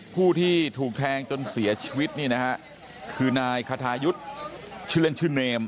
ผู้ที่ถูกแทงจนเสียชีวิตนี่นะฮะคือนายคทายุทธ์ชื่อเล่นชื่อเนม